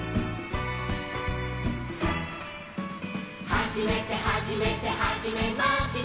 「はじめてはじめてはじめまして」